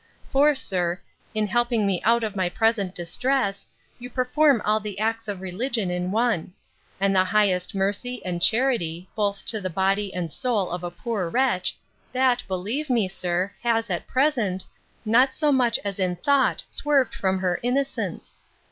For, sir, in helping me out of my present distress, you perform all the acts of religion in one; and the highest mercy and charity, both to the body and soul of a poor wretch, that, believe me, sir, has, at present, not so much as in thought swerved from her innocence.